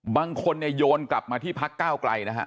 บางคนเนี่ยโยนกลับมาที่พักก้าวไกลนะฮะ